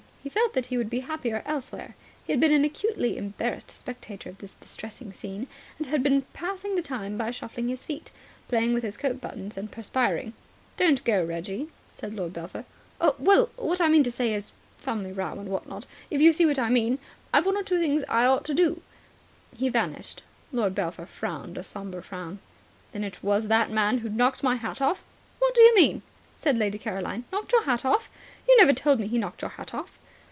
He felt that he would be happier elsewhere. He had been an acutely embarrassed spectator of this distressing scene, and had been passing the time by shuffling his feet, playing with his coat buttons and perspiring. "Don't go, Reggie," said Lord Belpher. "Well, what I mean to say is family row and what not if you see what I mean I've one or two things I ought to do " He vanished. Lord Belpher frowned a sombre frown. "Then it was that man who knocked my hat off?" "What do you mean?" said Lady Caroline. "Knocked your hat off? You never told me he knocked your hat off."